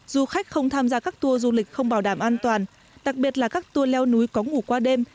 du khách không tham gia các tour du lịch không bảo đảm an toàn đặc biệt là các tour leo núi có ngủ qua đêm